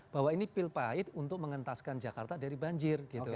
bahwa ini pil pahit untuk mengentaskan jakarta dari banjir